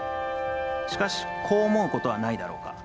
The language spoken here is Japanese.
しかし、こう思うことはないだろうか。